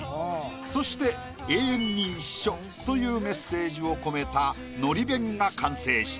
そして「永遠に一緒」というメッセージを込めたのり弁が完成した。